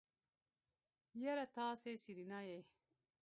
يره تاسې سېرېنا يئ.